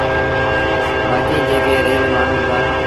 بآڪيٚن جيڪي رهيٚل مآڻهوٚݩ هُݩدآ۔